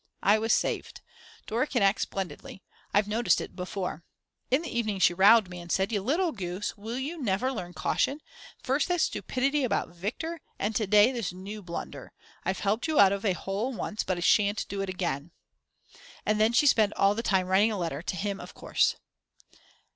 I was saved. Dora can act splendidly; I've noticed it before. In the evening she rowed me, and said: "You little goose, will you never learn caution; first that stupidity about Viktor and to day this new blunder! I've helped you out of a hole once but I shan't do it again." And then she spent all the time writing a letter, to him of course